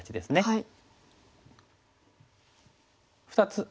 はい。